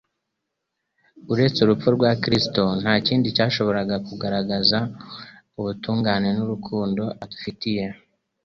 Uretse urupfu rwa Kristo nta kindi cyashoboraga kugaragaza ubutungane bw'urukundo adufitiye.